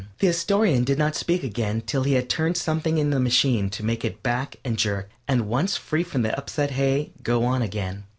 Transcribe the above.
The Astorian did not speak again till he had turned something in the machine to make it back and jerk, and, once free from the upset hay, go on again.